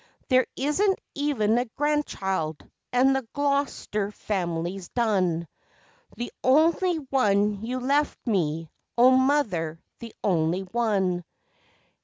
There isn't even a grandchild, and the Gloster family's done The only one you left me, O mother, the only one!